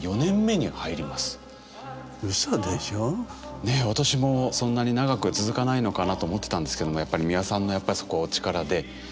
ねえ私もそんなに長くは続かないのかなと思ってたんですけどもやっぱり美輪さんのやっぱりそこはお力で。